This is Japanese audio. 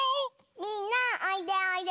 みんなおいでおいで！